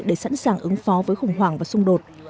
để sẵn sàng ứng phó với khủng hoảng và xung đột